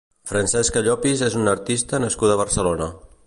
Francesca Llopis és una artista nascuda a Barcelona.